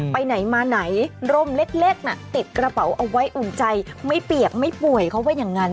ไปไหนมาไหนร่มเล็กน่ะติดกระเป๋าเอาไว้อุ่นใจไม่เปียกไม่ป่วยเขาว่าอย่างนั้น